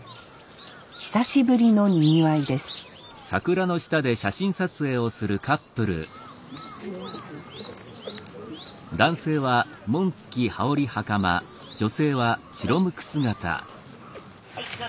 久しぶりのにぎわいですはいじゃあ。